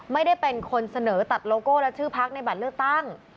ไม่ได้เป็นคนเสนอตัดโลโก้และชื่อพักในบัตรเลือกตั้ง